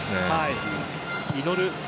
祈る